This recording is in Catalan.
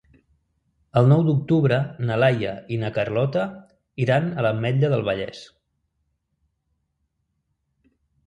El nou d'octubre na Laia i na Carlota iran a l'Ametlla del Vallès.